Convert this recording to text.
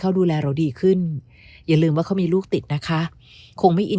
เขาดูแลเราดีขึ้นอย่าลืมว่าเขามีลูกติดนะคะคงไม่อิน